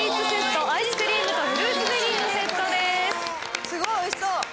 すごいおいしそう！